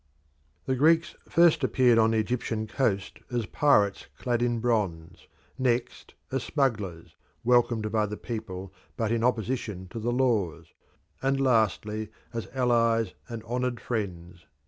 The Greeks first appeared on the Egyptian coast as pirates clad in bronze, next as smugglers, welcomed by the people, but in opposition to the laws, and lastly as allies and honoured friends.